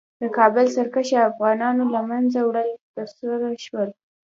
د کابل سرکښه افغانانو له منځه وړل ترسره شول.